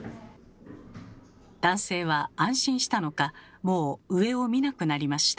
男性は安心したのかもう上を見なくなりました。